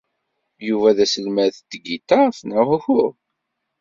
Yuba d aselmad n tgiṭart neɣ uhu?